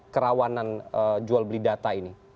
kerawanan jual beli data